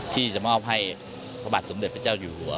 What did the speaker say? ที่จะมอบให้พระบาทสมเด็จพระเจ้าอยู่หัว